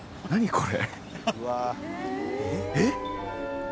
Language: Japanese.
これ。